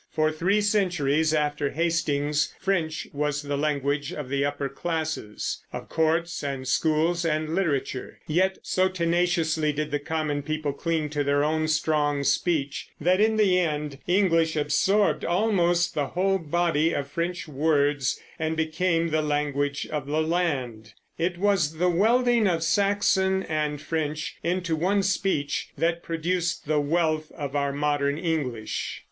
For three centuries after Hastings French was the language of the upper classes, of courts and schools and literature; yet so tenaciously did the common people cling to their own strong speech that in the end English absorbed almost the whole body of French words and became the language of the land. It was the welding of Saxon and French into one speech that produced the wealth of our modern English.